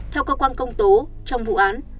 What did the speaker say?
theo cơ quan công tố trong vụ án